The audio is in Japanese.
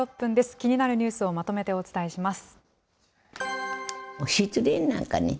気になるニュースをまとめてお伝えします。